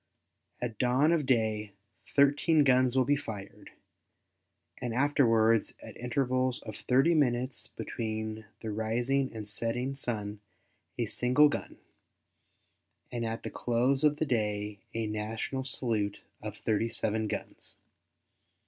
At dawn of day thirteen guns will be fired, and afterwards at intervals of thirty minutes between the rising and setting sun a single gun, and at the close of the day a national salute of thirty seven guns.